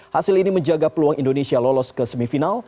hasil ini menjaga peluang indonesia lolos ke semifinal